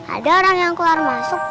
ada orang yang keluar masuk